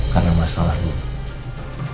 karena masalah gue